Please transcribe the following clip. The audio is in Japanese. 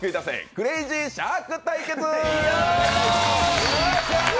クレイジーシャーク対決」！